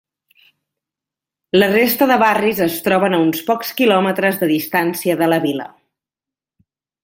La resta de barris es troben a uns pocs quilòmetres de distància de la Vila.